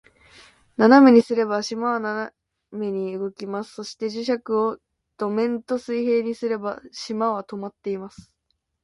斜めにすれば、島は斜めに動きます。そして、磁石を土面と水平にすれば、島は停まっています。